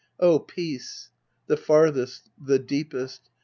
Oh, peace ! The farthest, the deepest.